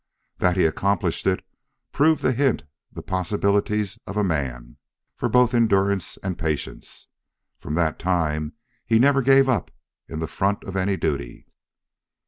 That he accomplished it proved to hint the possibilities of a man, for both endurance and patience. From that time he never gave up in the front of any duty.